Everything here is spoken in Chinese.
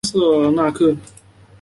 隆瑟纳克。